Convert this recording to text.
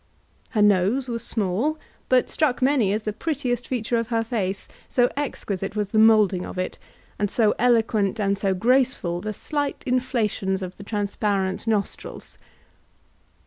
Her nose was small, but struck many as the prettiest feature of her face, so exquisite was the moulding of it, and so eloquent and so graceful the slight inflations of the transparent nostrils.